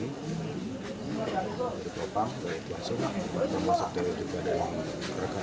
dari kepopang dari klasuk dari kepopang dari kepopang dari kepopang